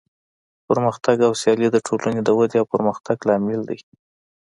پرمختګ او سیالي د ټولنې د ودې او پرمختیا لامل دی.